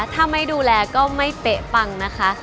ถ้าไม่ดูแลก็ไม่เป๊ะปังนะคะ